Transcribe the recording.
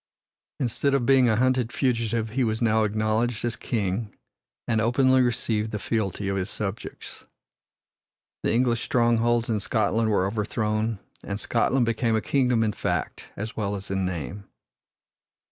Instead of being a hunted fugitive he was now acknowledged as king and openly received the fealty of his subjects. The English strongholds in Scotland were overthrown, and Scotland became a kingdom in fact as well as in name.